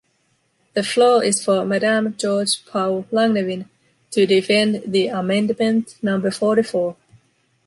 The floor is for Madam George Pau-Langevin, to defend the amendment number forty four.